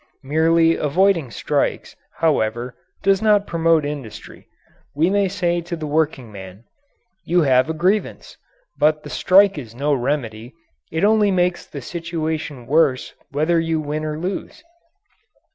Merely avoiding strikes, however, does not promote industry. We may say to the workingman: "You have a grievance, but the strike is no remedy it only makes the situation worse whether you win or lose."